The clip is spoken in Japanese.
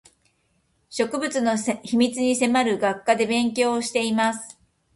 植物の秘密に迫る学科で勉強をしています